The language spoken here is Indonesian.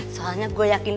soalnya gue yakin